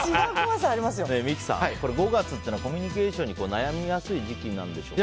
三木さん、５月はコミュニケーションに悩みやすい時期なんでしょうね。